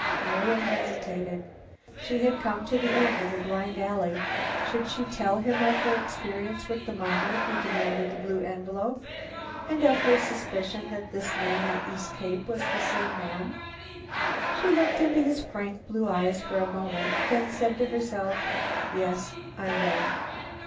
Marian hesitated. She had come to the end of a blind alley. Should she tell him of her experience with the miner who demanded the blue envelope, and of her suspicion that this man at East Cape was that same man? She looked into his frank blue eyes for a moment, then said to herself, "Yes, I will."